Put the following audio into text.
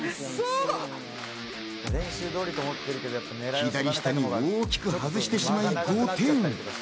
左下に大きく外してしまい５点。